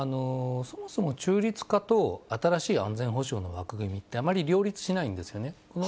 そもそも中立化と新しい安全保障の枠組みって、あまり両立しないんですね。